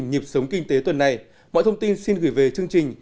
nhịp sống kinh tế tuần này mọi thông tin xin gửi về chương trình